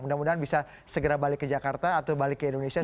mudah mudahan bisa segera balik ke jakarta atau balik ke indonesia